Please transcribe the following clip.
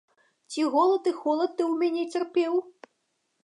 Ці голад і холад ты ў мяне цярпеў?